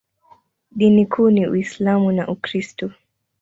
Dini kuu ni Uislamu na Ukristo.